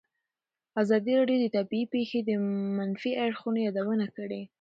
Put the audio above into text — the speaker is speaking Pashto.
ازادي راډیو د طبیعي پېښې د منفي اړخونو یادونه کړې.